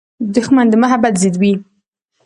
دښمن د محبت ضد وي